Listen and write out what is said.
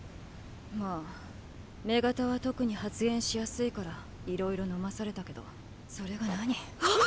まぁ女型は特に発現しやすいからいろいろ飲まされたけどそれが何？っ！！